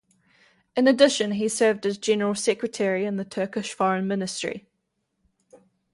In addition he served as General Secretary in the Turkish Foreign Ministry.